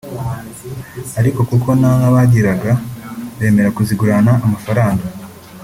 ariko kuko nta nka bagiraga bemera kuzigurana amafaranga